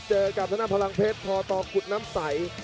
เจอกับทางด้านพลังเพชรพอตกุฎน้ำใส